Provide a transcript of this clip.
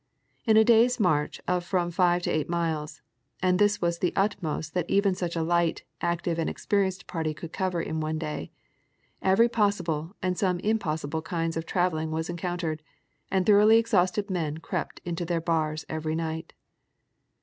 In a day's march of from five to eight miles, and this was the utmost that even such a light, active and experienced party could cover in one day, every possible and some almost impossible kinds of traveling was encountered, and thoroughly exhausted men crept into their bars every night.